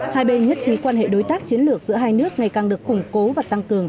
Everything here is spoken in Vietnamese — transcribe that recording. hai bên nhất trí quan hệ đối tác chiến lược giữa hai nước ngày càng được củng cố và tăng cường